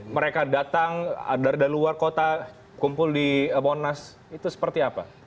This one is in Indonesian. mereka datang dari luar kota kumpul di monas itu seperti apa